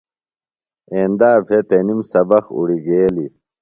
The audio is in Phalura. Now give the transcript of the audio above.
ایندا بھےۡ تنِم سبق اُڑیۡ گیلیۡ۔